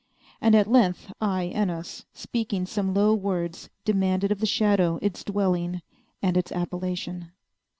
And at length I, Oinos, speaking some low words, demanded of the shadow its dwelling and its appellation.